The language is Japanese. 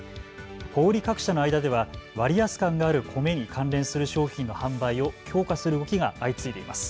小売各社の間では割安感がある米に関連する商品の販売を強化する動きが相次いでいます。